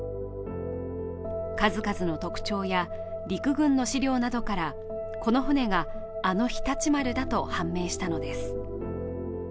数々の特徴や陸軍の資料などからこの船が、あの「常陸丸」だと判明したのです。